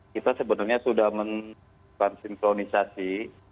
kita sebenarnya sudah menceritakan sincronisasi